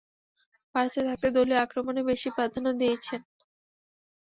বার্সায় থাকতে দলীয় আক্রমণে বেশি প্রাধান্য দিয়েছেন।